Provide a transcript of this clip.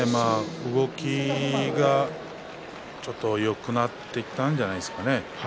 動きがちょっとよくなってきたんじゃないですかね。